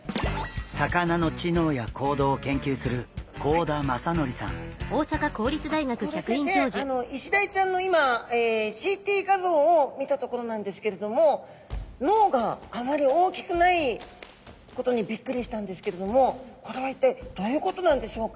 魚の知能や行動を研究する幸田先生イシダイちゃんの今ＣＴ画像を見たところなんですけれども脳があまり大きくないことにビックリしたんですけれどもこれは一体どういうことなんでしょうか？